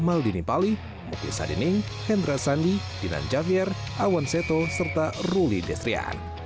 maldini pali muklis sadening hendra sandi dinan javier awan seto serta ruli destrian